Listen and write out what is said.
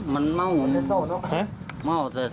มันเม่าเหมือนเศรษฐศาสตร์เนอะ